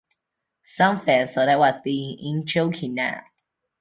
Some fans thought I was being "in-jokey." Nah.